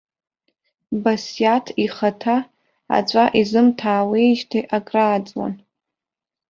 Басиаҭ ихаҭа аҵәа изымҭаауеижьҭеи акрааҵуан.